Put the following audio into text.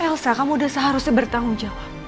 elsa kamu sudah seharusnya bertanggung jawab